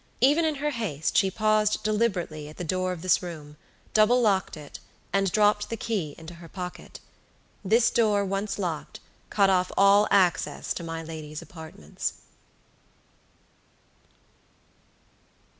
Even in her haste she paused deliberately at the door of this room, double locked it, and dropped the key into her pocket. This door once locked cut off all access to my lady's apartments.